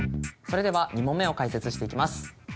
それでは２問目を解説していきます。